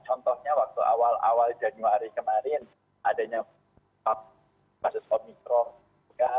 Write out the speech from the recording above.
contohnya waktu awal awal januari kemarin adanya kasus omikron juga